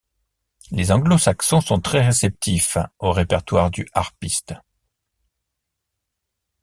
Les Anglo-saxons sont très réceptifs au répertoire du harpiste.